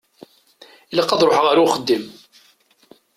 Ilaq ad ṛuḥeɣ ar uxeddim.